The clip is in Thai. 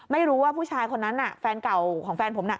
ไม่รู้ว่าผู้ชายคนนั้นน่ะแฟนเก่าของแฟนผมน่ะ